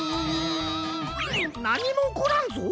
なにもおこらんぞ。